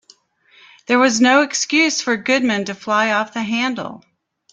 There was no excuse for Goodman to fly off the handle.